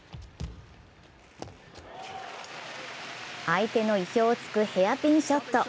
相手の意表を突くヘアピンショット。